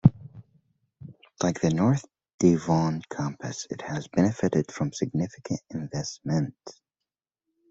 Like the North Devon Campus, it too has benefitted from significant investment.